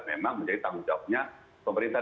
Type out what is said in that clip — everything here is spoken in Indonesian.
memang menjadi tanggung jawabnya pemerintah